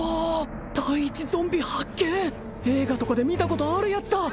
第一ゾンビ発見映画とかで見たことあるやつだ